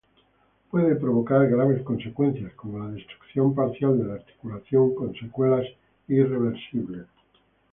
Puede provocar graves consecuencias, como la destrucción parcial de la articulación con secuelas irreversibles.